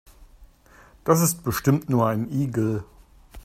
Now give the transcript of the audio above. Das ist bestimmt nur ein Igel.